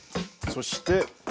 そして。